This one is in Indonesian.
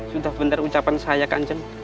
sudah benar ucapan saya kanjeng